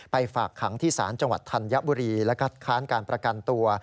ไปฝากขังที่ศาลจังหวัดธัญบุรีและการประกันตัว